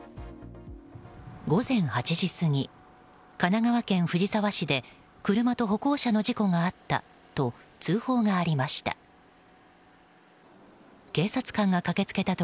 午前８時過ぎ神奈川県藤沢市で車と歩行者の事故があったと通報がありました。